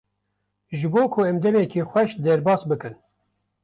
Ji bo ku em demeke xweş derbas bikin.